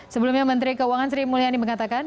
sebelumnya menteri keuangan sri mulyani mengatakan